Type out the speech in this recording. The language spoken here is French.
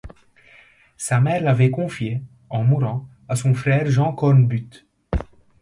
Sa mère l’avait confiée, en mourant, à son frère Jean Cornbutte.